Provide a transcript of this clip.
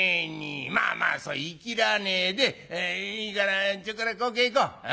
まあまあそういきらねえでいいからちょっくらこけへこう。